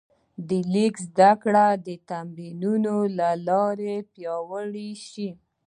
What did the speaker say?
د لیک زده کړه د تمرینونو له لارې پیاوړې شوه.